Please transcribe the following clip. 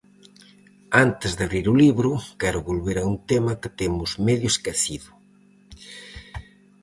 Antes de abrir o libro quero volver a un tema que temos medio esquecido.